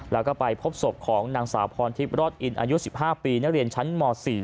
แล้วก็ไปพบศพของนางสาวพรทิพย์รอดอินอายุ๑๕ปีนักเรียนชั้นม๔